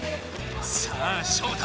さあショウタ